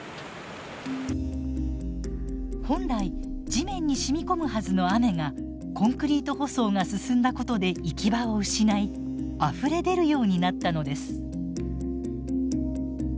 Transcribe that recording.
本来地面に染み込むはずの雨がコンクリート舗装が進んだことで行き場を失いあふれ出るようになったのです。